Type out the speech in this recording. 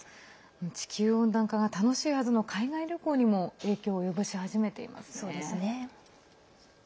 地球温暖化が楽しいはずの海外旅行にも影響を及ぼし始めていますね。